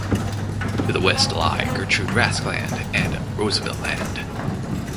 To the west lie Gertrude Rask Land and Roosevelt Land.